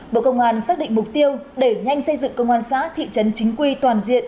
bộ công an xác định mục tiêu để nhanh xây dựng công an xã thị trấn chính quy toàn diện